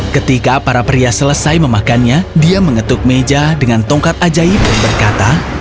ketika para pria selesai memakannya dia mengetuk meja dengan tongkat ajaib dan berkata